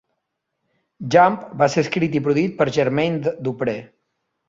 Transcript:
"Jump" va ser escrit i produït per Jermaine Dupri.